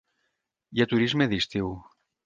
Hi ha turisme d'estiu.